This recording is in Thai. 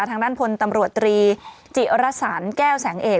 ทางด้านพลตำรวจตรีจิรสันแก้วแสงเอก